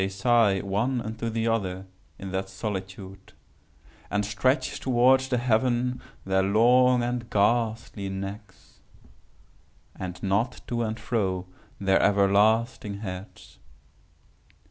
They sigh one unto the other in that solitude, and stretch towards the heaven their long and ghastly necks, and nod to and fro their everlasting heads.